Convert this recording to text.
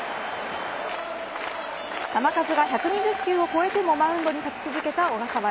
球数が１２０球を超えてもマウンドに立ち続けた小笠原。